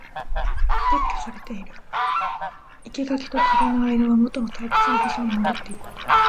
撤去されている。生垣と壁の間はもとの退屈な場所に戻っていた。